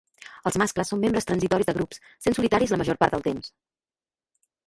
Els mascles són membres transitoris de grups, sent solitaris la major part del temps.